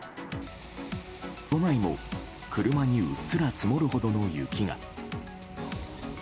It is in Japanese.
都内も車にうっすら積もるほどの雪が。